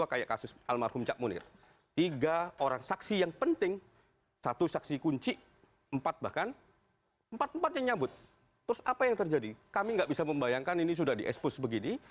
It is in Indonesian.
kami tidak bisa membayangkan ini sudah di expose begini